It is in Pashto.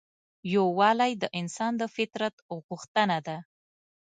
یووالی د انسان د فطرت غوښتنه ده.